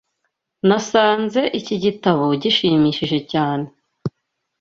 Nasanze iki gitabo gishimishije cyane.